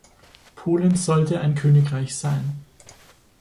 Polen sollte ein Königreich sein.